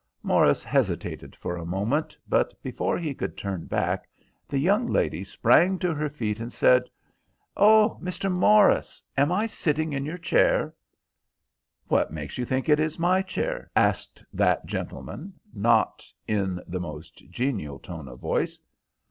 Morris hesitated for a moment, but before he could turn back the young lady sprang to her feet, and said—"Oh, Mr. Morris, am I sitting in your chair?" "What makes you think it is my chair?" asked that gentleman, not in the most genial tone of voice.